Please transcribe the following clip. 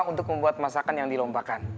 untuk membuat masakan yang dilombakan